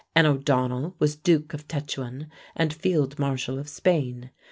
An O'Donnell was Duke of Tetuan and field marshal of Spain.